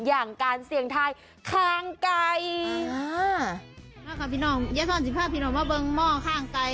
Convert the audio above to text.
อย่างการเสียงทายข้างไกล